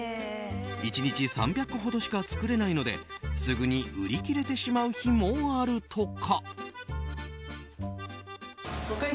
１日３００個ほどしか作れないのですぐに売り切れてしまう日もあるとか。